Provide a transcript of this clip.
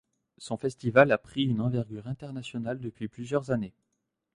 Son festival a pris une envergure internationale depuis plusieurs années.